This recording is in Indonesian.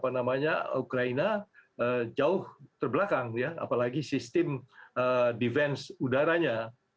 apa namanya ukraina jauh terbelakang ya apalagi sistem defense udaranya